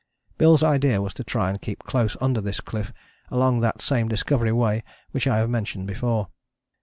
Bill's idea was to try and keep close under this cliff, along that same Discovery way which I have mentioned above.